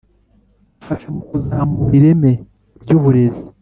afasha mu kuzamura ireme ry’uburezi.